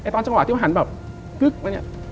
ตอนจังหวะที่มันหันแบบกึ๊กไปเนี่ย